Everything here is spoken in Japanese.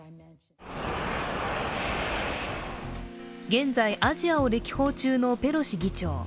現在、アジアを歴訪中のペロシ議長。